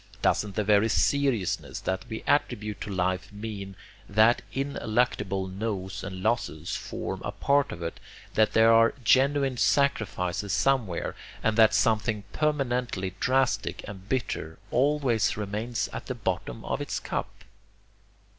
Doesn't the very 'seriousness' that we attribute to life mean that ineluctable noes and losses form a part of it, that there are genuine sacrifices somewhere, and that something permanently drastic and bitter always remains at the bottom of its cup?